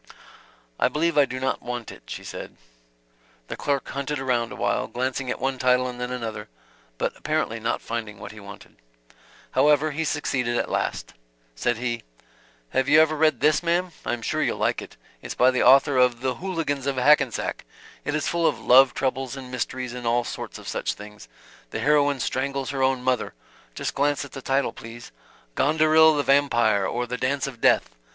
"I believe I do not want it," she said. The clerk hunted around awhile, glancing at one title and then another, but apparently not finding what he wanted. However, he succeeded at last. Said he: "Have you ever read this, ma'm? I am sure you'll like it. It's by the author of 'The Hooligans of Hackensack.' It is full of love troubles and mysteries and all sorts of such things. The heroine strangles her own mother. Just glance at the title please, 'Gonderil the Vampire, or The Dance of Death.'